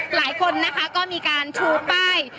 หลายคนนะคะก็มีการชูป้าย